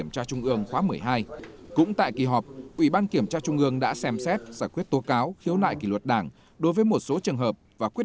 trần cầm tú bí thư trung ương đảng chủ trì kỳ họp